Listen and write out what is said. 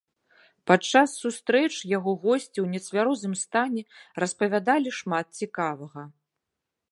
Падчас сустрэч яго госці ў нецвярозым стане распавядалі шмат цікавага.